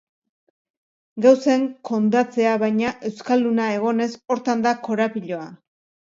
Gauzen kondatzea baina euskalduna egonez, hortan da korapiloa.